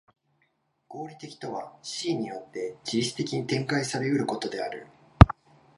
合理的とは思惟によって自律的に展開され得ることである。